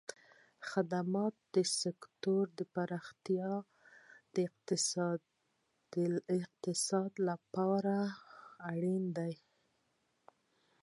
د خدماتو سکتور پراختیا د اقتصاد لپاره اړین دی.